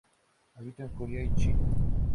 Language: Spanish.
Habita en Corea y China.